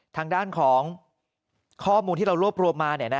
ทางด้านของข้อมูลที่เรารวบรวมมา